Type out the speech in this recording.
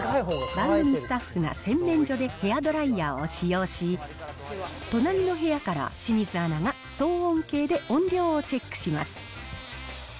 番組スタッフが洗面所でヘアドライヤーを使用し、隣の部屋から清水アナが騒音計で音量をチェックします。